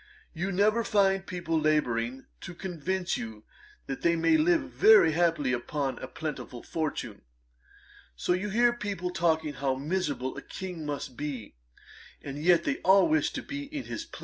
You never find people labouring to convince you that you may live very happily upon a plentiful fortune. So you hear people talking how miserable a King must be; and yet they all wish to be in his place.'